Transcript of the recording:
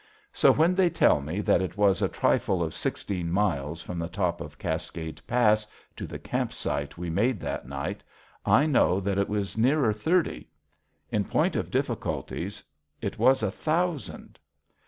So when they tell me that it was a trifle of sixteen miles from the top of Cascade Pass to the camp site we made that night, I know that it was nearer thirty. In point of difficulties, it was a thousand.